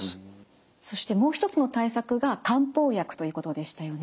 そしてもう一つの対策が漢方薬ということでしたよね。